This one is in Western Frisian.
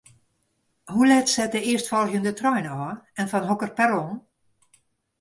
Hoe let set de earstfolgjende trein ôf en fan hokker perron?